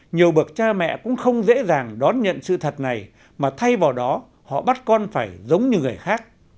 nhiều bậc cha mẹ cũng không dễ dàng đón nhận sự thật này mà thay vào đó họ bắt con phải giống như người khác